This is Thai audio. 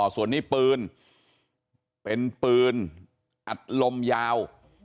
ส่วนนี้ปืนเป็นปืนอัดลมยาว